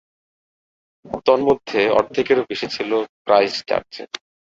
তন্মধ্যে, অর্ধেকেরও বেশি ছিল ক্রাইস্টচার্চে।